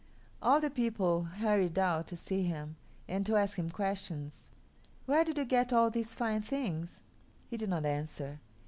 All the people hurried out to see him and to ask him questions. "Where did you get all these fine things?" He did not answer.